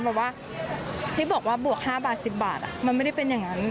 บอกว่าที่บอกว่าบวก๕บาท๑๐บาทมันไม่ได้เป็นอย่างนั้น